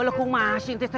udah aku mau ngasih surprise